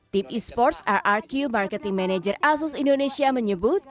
tim e sports rrq marketing manager asus indonesia menyebut